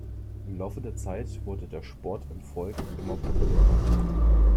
Im Laufe der Zeit wurde der Sport im Volk immer populärer.